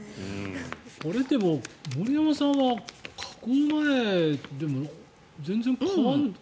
これ、でも森山さんは加工前でも全然変わらない。